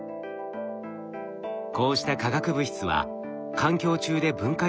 こうした化学物質は環境中で分解されにくいうえ